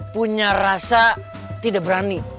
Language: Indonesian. punya rasa tidak berani